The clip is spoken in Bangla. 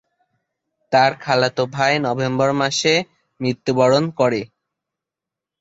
তার খালাতো ভাই নভেম্বর মাসে মৃত্যুবরণ করে।